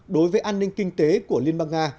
đối với an ninh kinh tế của liên bang nga